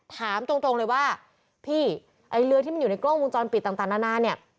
ถามตรงเลยว่าพี่ไอ้เรือที่มันอยู่ในกล้องวงจรปิดต่างนานาเนี่ย